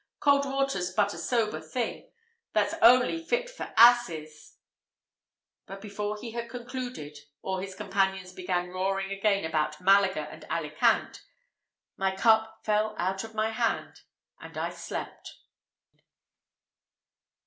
Cold water's but a sober thing, That's only fit for asses "But before he had concluded, or his companions began roaring again about Malaga and Alicant, my cup fell out of my hand, and I slept.